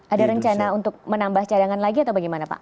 ada rencana untuk menambah cadangan lagi atau bagaimana pak